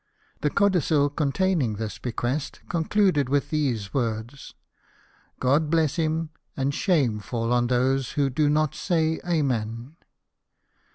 The codicil containing this bequest concluded with these words: "God bless him, and shame faU on those who do 270 • LIFE OF NELSON. not say Amen."